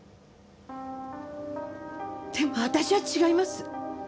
でも私は違います。